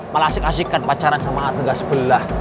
malah asik asikan pacaran sama adegah sebelah